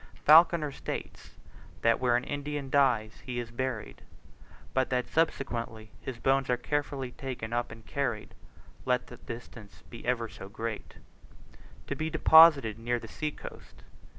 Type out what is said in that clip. Falconer states, that where an Indian dies he is buried, but that subsequently his bones are carefully taken up and carried, let the distance be ever so great, to be deposited near the sea coast.